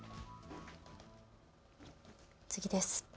次です。